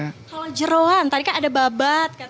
kalau jeruan tadi kan ada babat